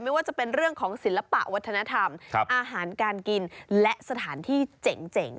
ไม่ว่าจะเป็นเรื่องของศิลปะวัฒนธรรมอาหารการกินและสถานที่เจ๋ง